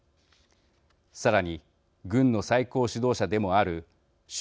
さらに、軍の最高指導者でもある習